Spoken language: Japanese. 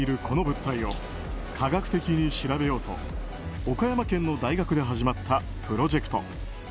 この物体を科学的に調べようと岡山県の大学で始まったプロジェクト。